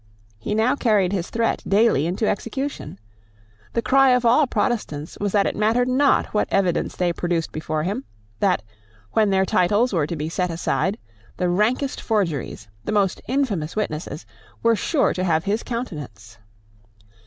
He now carried his threat daily into execution. The cry of all Protestants was that it mattered not what evidence they produced before him; that, when their titles were to be set aside, the rankest forgeries, the most infamous witnesses, were sure to have his countenance.